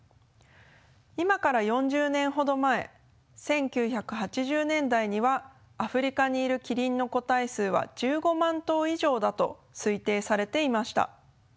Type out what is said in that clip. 今から４０年ほど前１９８０年代にはアフリカにいるキリンの個体数は１５万頭以上だと推定されていました。